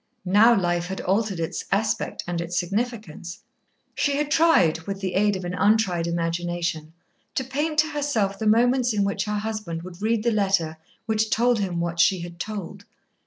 Now life had altered its aspect and its significance. She had tried, with the aid of an untried imagination, to paint to herself the moments in which her husband would read the letter which told him what she had told.